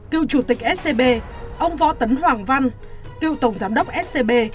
kêu chủ tịch scb ông võ tấn hoàng văn kêu tổng giám đốc scb